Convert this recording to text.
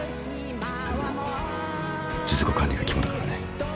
でも術後管理が肝だからね。